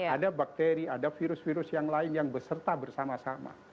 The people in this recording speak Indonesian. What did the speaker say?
ada bakteri ada virus virus yang lain yang beserta bersama sama